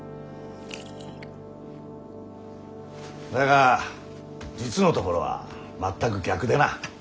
だが実のところは全く逆でな。